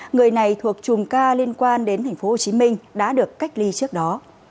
người này thuộc chùm ca liên quan đến tp hcm đã được cách ly trước đó